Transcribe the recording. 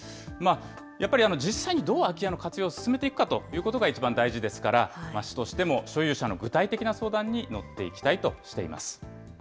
やっぱり実際にどう空き家の活用を進めていくかということが一番大事ですから、市としても、所有者の具体的な相談に乗っていきたいとしています。